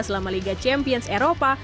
selama liga champions eropa